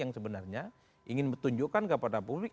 yang sebenarnya ingin menunjukkan kepada publik